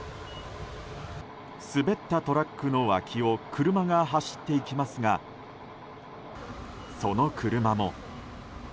滑ったトラックの脇を車が走っていきますがその車も。